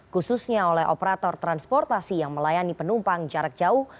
khususnya oleh operator transportasi yang melayani penumpang jarak jauh